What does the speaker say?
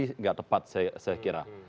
tidak tepat saya kira